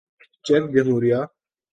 check جمہوریہ